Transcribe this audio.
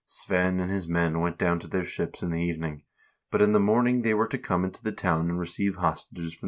Svein and his men went down to their ships in the evening, but in the morning they were to come into the town and receive hostages from the inhabitants.